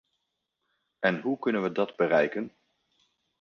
En hoe kunnen we dat bereiken?